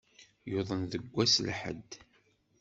Yuḍen seg wass lḥedd.